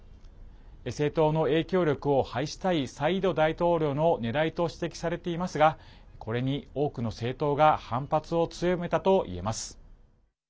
政党の影響力を排したいサイード大統領のねらいと指摘されていますがこれに多くの政党が反発を強めたと言えます。